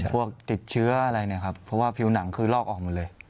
พวกติดเชื้ออะไรเนี่ยครับเพราะว่าผิวหนังคือลอกออกมาเลย